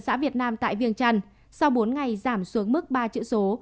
ở xã việt nam tại viêng trần sau bốn ngày giảm xuống mức ba chữ số